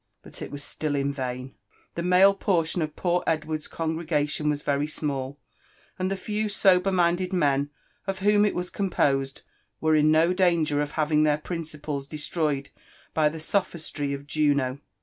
But it wa^ 9till in vain : the male portion of poor Edward's congregation was vetf small, and the few sober minded men oif whom it was composed were Id no danger of having their principles destroyed by the sophistry of Jnno.